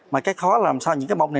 mà cái khó là làm sao những cái bông này